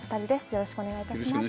よろしくお願いします。